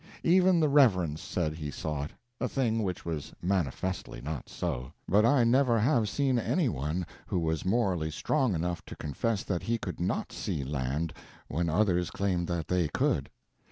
Even the Reverend said he saw it, a thing which was manifestly not so. But I never have seen any one who was morally strong enough to confess that he could not see land when others claimed that they could.